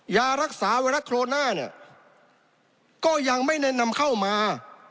ยารักษาไวรัสโคโรนาเนี่ยก็ยังไม่แนะนำเข้ามา